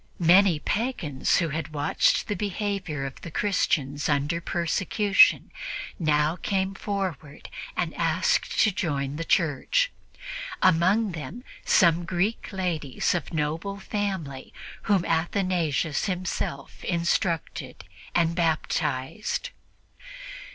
Many pagans who had watched the behavior of the Christians under persecution now came forward and asked to join the Church, among them some Greek ladies of noble family whom Athanasius himself instructed and baptized.